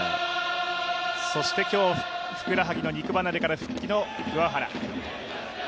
そして今日、ふくらはぎの肉離れから復帰の桑原。